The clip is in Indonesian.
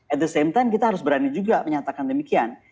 at the same time kita harus berani juga menyatakan demikian